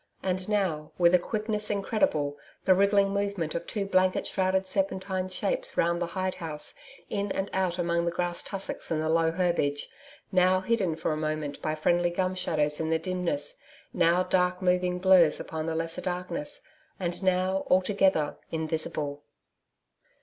And now with a quickness incredible, the wriggling movement of two blanket shrouded serpentine shapes round the hide house in and out among the grass tussocks and the low herbage, now hidden for a moment by friendly gum shadows in the dimness, now dark moving blurrs upon the lesser darkness, and now altogether invisible....